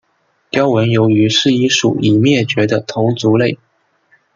雕纹鱿鱼是一属已灭绝的头足类。